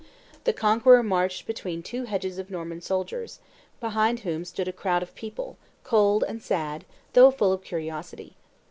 The Conqueror marched between two hedges of Norman soldiers, behind whom stood a crowd of people, cold and sad, though full of curiosity.